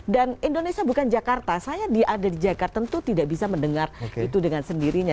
dan indonesia bukan jakarta saya ada di jakarta tentu tidak bisa mendengar itu dengan sendirinya